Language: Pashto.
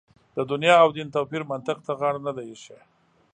د دنیا او دین توپیر منطق ته غاړه نه ده اېښې.